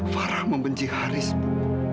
farah membenci haris bu